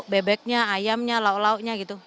bebeknya ayamnya lauk lauknya gitu